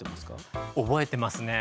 覚えてますね。